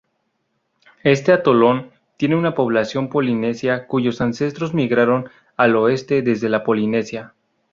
Este atolón tiene una población polinesia cuyos ancestros migraron al oeste desde la Polinesia.